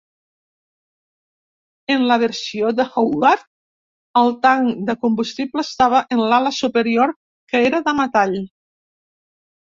En la versió de Houart el tanc de combustible estava en l'ala superior, que era de metall.